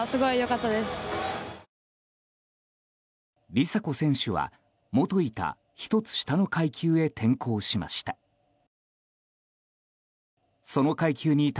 梨紗子選手は、もといた１つ下の階級へ転向しました。